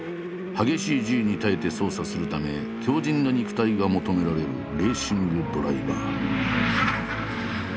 激しいＧに耐えて操作するため強じんな肉体が求められるレーシングドライバー。